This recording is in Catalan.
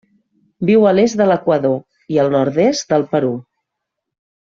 Viu a l'est de l'Equador i el nord-est del Perú.